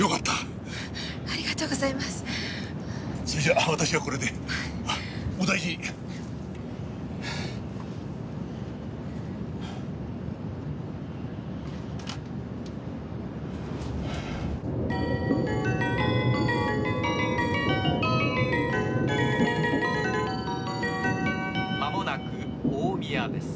「まもなく大宮です」